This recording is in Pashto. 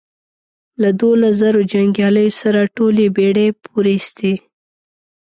له دوولس زرو جنګیالیو سره ټولې بېړۍ پورېستې.